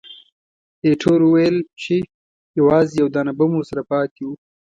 ایټور وویل چې، یوازې یو دانه بم ورسره پاتې وو.